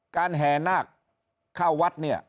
การแห่หน้าเข้าวัดเนี่ย